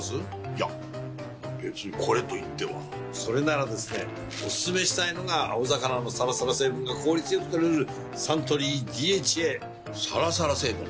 いや別にこれといってはそれならですねおすすめしたいのが青魚のサラサラ成分が効率良く摂れるサントリー「ＤＨＡ」サラサラ成分？